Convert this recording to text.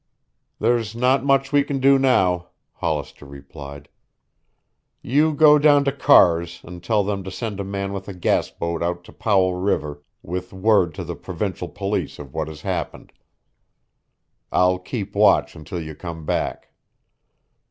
"There's not much we can do, now," Hollister replied. "You go down to Carr's and tell them to send a man with a gas boat out to Powell River with word to the Provincial Police of what has happened. I'll keep watch until you come back."